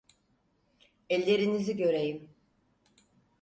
Ellerinizi göreyim!